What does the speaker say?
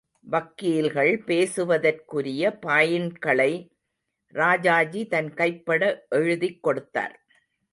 வக்கீல்கள் பேசுவதற்குரிய பாயிண்ட்களை ராஜாஜி, தன் கைப்பட எழுதிக் கொடுத்தார்.